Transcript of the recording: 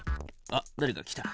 あっだれか来た。